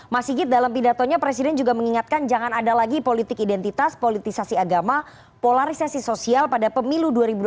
mas sigit dalam pidatonya presiden juga mengingatkan jangan ada lagi politik identitas politisasi agama polarisasi sosial pada pemilu dua ribu dua puluh